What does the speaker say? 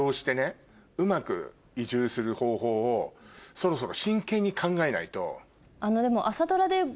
そろそろ。